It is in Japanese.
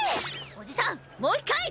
おじさんもう一回！